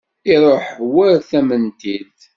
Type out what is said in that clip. Iruḥ war tamentilt.